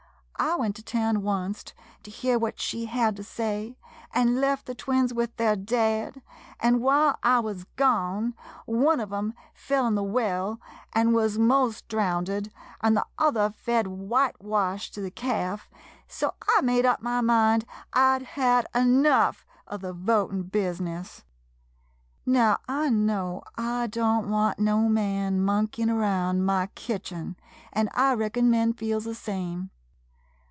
I went to town oncet to hear what she had to say, an' left the twins with their dad, an' while I wuz gone, one of um fell in the well, an' wuz most drownded, an' the other fed whitewash to the calf, so I made up my mind I 'd had enough of the votin' bizness. Now, I know I don't want no man mon keyin' round my kitchen, an' I reckon men feels the same.